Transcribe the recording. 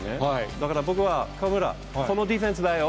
だから、僕は河村、このディフェンスだよ。